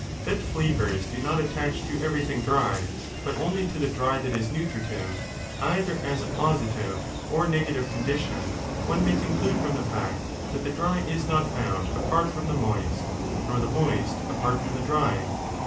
That flavours do not attach to everything dry, but only to the dry that 13 is nutritive, either as a positive or negative condition, one may conclude from the fact that th6 dry is not found apart from the moist nor the moist apart from the dry.